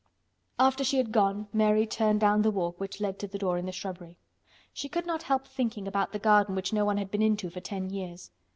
After she was gone Mary turned down the walk which led to the door in the shrubbery. She could not help thinking about the garden which no one had been into for ten years.